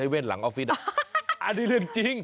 เว่นหลังออฟฟิศอันนี้เรื่องจริง